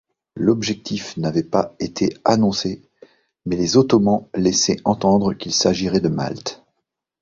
L'objectif n'avait pas été annoncé, mais les Ottomans laissaient entendre qu'il s'agirait de Malte.